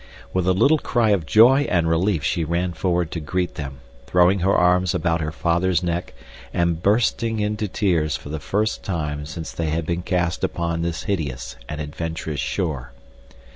With a little cry of joy and relief she ran forward to greet them, throwing her arms about her father's neck and bursting into tears for the first time since they had been cast upon this hideous and adventurous shore.